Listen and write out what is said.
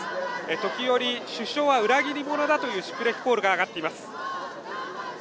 時折、首相は裏切り者だというシュプレヒコールが上がっています。